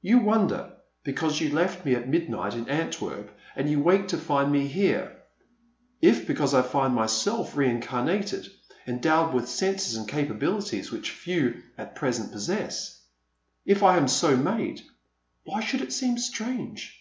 You wonder, because you left me at midnight in Antwerp and you wake to find me here. If, because I find myself rein carnated, endowed with senses and capabilities which few at present possess ;— if I am so made, why should it seem strange